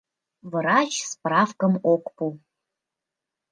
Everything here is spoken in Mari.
Врач справкым ок пу.